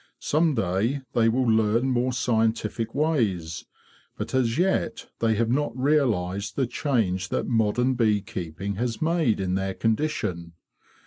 '' Some day they will learn more scientific ways; but as yet they have not realised the change that modern bee keeping has made in their condition.